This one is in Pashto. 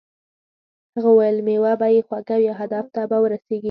هغه وویل میوه به یې خوږه وي او هدف ته به ورسیږې.